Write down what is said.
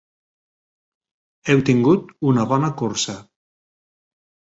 Heu tingut una bona cursa!